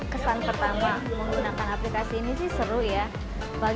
kesan pertama menggunakan aplikasi ini sih seru ya